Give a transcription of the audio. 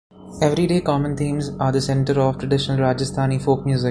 Every day common themes are the center of traditional rajasthani folk music.